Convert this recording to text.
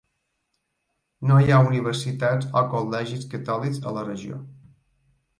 No hi ha universitats o col·legis catòlics a la regió.